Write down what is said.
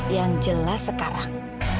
yang jelas sekarang